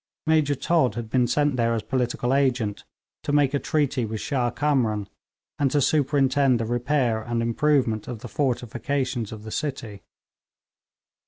Major Todd had been sent there as political agent, to make a treaty with Shah Kamran, and to superintend the repair and improvement of the fortifications of the city.